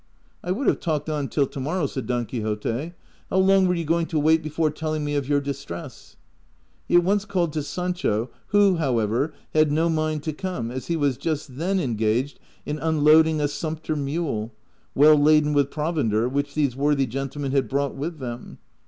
" I would have talked on till to morrow," said Don Quixote ;" how long were you going to wait before telling me of your distress ?" He at once called to Sancho, who, however, had no mind to come, as he was just then engaged in unloading a sumpter mule, well laden with provender, which these worthy gentlemen had brought with them.